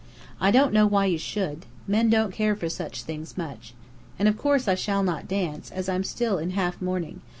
I don't know why you should. Men don't care for such things much. And of course I shall not dance, as I'm still in half mourning.